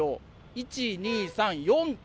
１、２、３、４頭。